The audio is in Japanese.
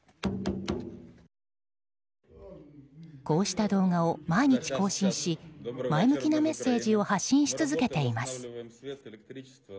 こうした動画を毎日更新し前向きなメッセージを発信し続けています。